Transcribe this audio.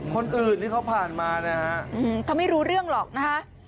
คนอื่นที่เขาผ่านมานะฮะเขาไม่รู้เรื่องหรอกนะฮะ